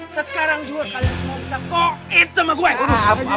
sekarang juga kalian semua bisa covid sama gue